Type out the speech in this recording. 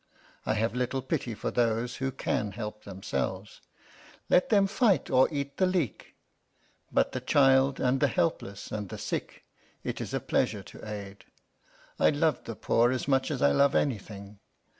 I have little pity for those who can help themselves let them fight or eat the leek; but the child and the helpless and the sick it is a pleasure to aid. I love the poor as much as I love anything.